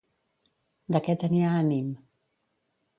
De què tenia ànim?